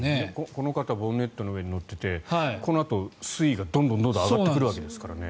この方はボンネットの上に乗っていてこのあと水位がどんどん上がってくるわけですからね。